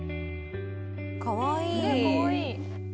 かわいい。